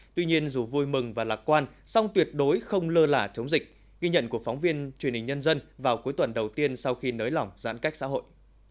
tuy nhiên dù vui mừng và lạc quan song tuyệt đối không lơ lả chống dịch ghi nhận của phóng viên truyền hình nhân dân vào cuối tuần đầu tiên sau khi nới lỏng giãn cách xã hội